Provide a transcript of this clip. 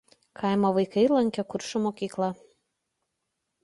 Kaimo vaikai lankė Kuršių mokyklą.